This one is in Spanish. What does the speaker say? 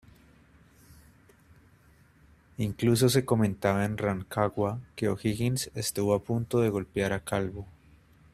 Incluso se comentaba en Rancagua que O'Higgins estuvo a punto de golpear a Calvo.